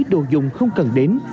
đồ dùng không cần đến